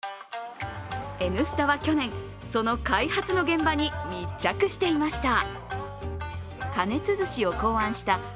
「Ｎスタ」は去年、その開発の現場に密着していました。